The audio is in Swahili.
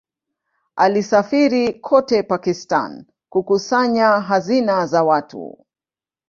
Alisafiri kote Pakistan kukusanya hazina za watu.